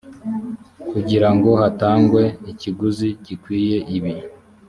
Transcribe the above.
kugira ngo hatangwe ikiguzi gikwiye ibi